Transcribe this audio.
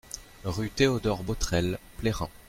Rue Théodore Botrel, Plérin